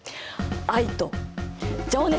愛と情熱。